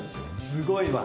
すごいわ。